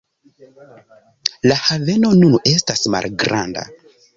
La haveno nun estas malgranda.